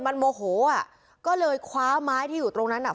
มันโมโหอ่ะก็เลยคว้าไม้ที่อยู่ตรงนั้นอ่ะ